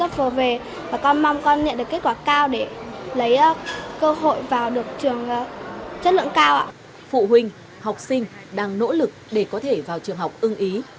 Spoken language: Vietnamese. chất phụ huynh học sinh đang nỗ lực để có thể vào trường học ưng ý